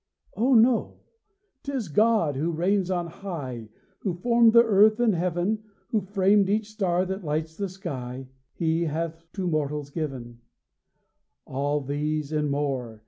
Oh no! 'tis God, who reigns on high, Who form'd the earth and heaven; Who framed each star that lights the sky. He hath to mortals given All these, and more!